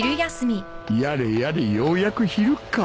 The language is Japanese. やれやれようやく昼か